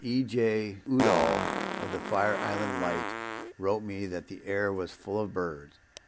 E. J. Udall, of the Fire Island Light, wrote me that the air was full of birds.